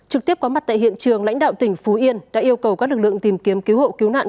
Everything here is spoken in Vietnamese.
trực tiếp có mặt tại hiện trường lãnh đạo tỉnh phú yên đã yêu cầu các lực lượng tìm kiếm cứu hộ cứu nạn